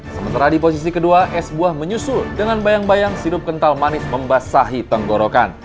sementara di posisi kedua es buah menyusul dengan bayang bayang sirup kental manis membasahi tenggorokan